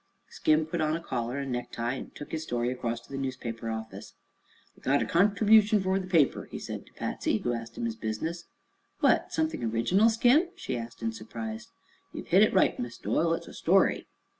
Skim put on a collar and necktie and took his story across to the newspaper office. "I got a conter bution fer the paper," he said to Patsy, who asked him his business. "What, something original, Skim?" she asked in surprise. "Ye've hit it right, Miss Doyle; it's a story."